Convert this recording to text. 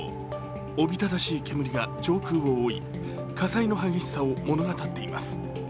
おびただしい煙が上空を覆い、火災の激しさを物語っています。